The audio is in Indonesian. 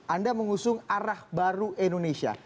anda mengusung arah baru indonesia